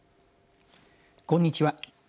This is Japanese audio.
こんにちは。